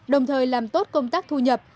đồng thời làm tốt công tác thu nhập